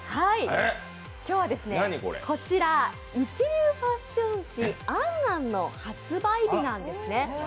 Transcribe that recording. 今日は、一流ファッション誌「ａｎ・ａｎ」の発売日なんですね。